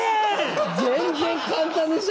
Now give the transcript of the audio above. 全然簡単でした。